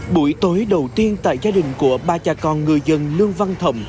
buổi tối đầu tiên tại gia đình của ba cha con ngư dân lương văn thậm